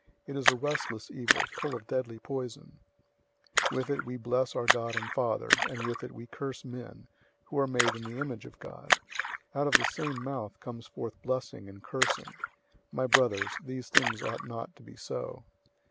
It is a restless evil, full of deadly poison. 003:009 With it we bless our God and Father, and with it we curse men, who are made in the image of God. 003:010 Out of the same mouth comes forth blessing and cursing. My brothers, these things ought not to be so.